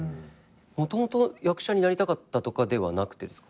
もともと役者になりたかったとかではなくてですか？